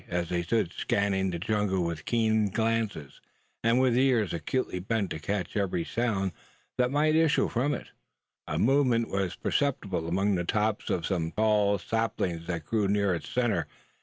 As they stood scanning the jungle with keen glances, and with ears acutely bent to catch every sound that might issue from it, a movement was perceptible among the tops of some tall saplings that grew near its centre.